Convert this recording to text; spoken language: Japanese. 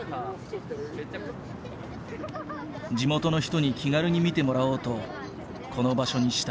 地元の人に気軽に見てもらおうとこの場所にした。